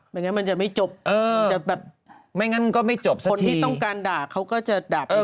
ไม่งั้นมันจะไม่จบมันจะแบบคนที่ต้องการด่าเขาก็จะด่าไปเรื่อย